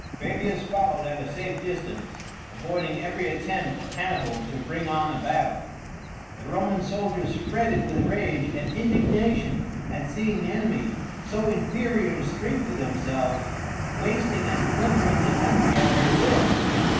Fabius followed at a safe distance, avoiding every attempt of Hannibal to bring on a battle. The Roman soldiers fretted with rage and indignation at seeing the enemy, so inferior in strength to themselves, wasting and plundering the country at their will.